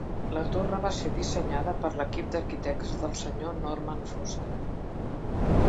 La torre va ser dissenyada per l'equip d'arquitectes del senyor Norman Foster.